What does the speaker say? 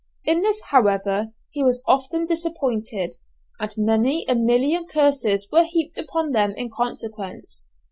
In this, however, he was often disappointed, and many a million curses were heaped upon them in consequence.